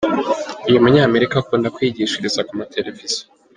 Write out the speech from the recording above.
Uyu munya Amerika akunda kwigishiriza ku mateleviziyo.